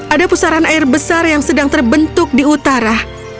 ada pusaran air besar yang sedang terbentuk di utara